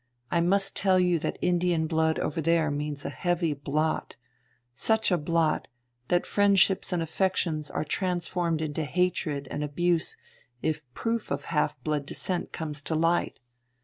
I must tell you that Indian blood over there means a heavy blot such a blot, that friendships and affections are transformed into hatred and abuse if proof of half blood descent comes to light.